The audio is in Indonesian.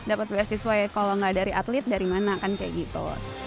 dapat beasiswa ya kalau nggak dari atlet dari mana kan kayak gitu